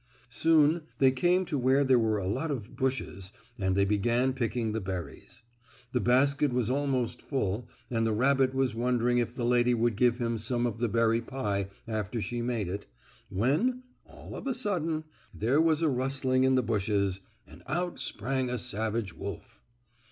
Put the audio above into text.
Soon they came to where there were a whole lot of bushes and they began picking the berries. The basket was almost full, and the rabbit was wondering if the lady would give him some of the berry pie after she made it, when, all of a sudden, there was a rustling in the bushes and out sprang a savage wolf.